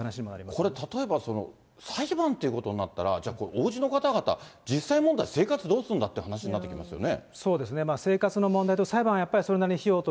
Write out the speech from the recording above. これ、例えば、裁判ということになったら、これおうちの方々、実際問題、生活どうするんだという話になってきますよね。